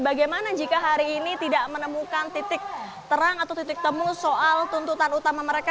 bagaimana jika hari ini tidak menemukan titik terang atau titik temu soal tuntutan utama mereka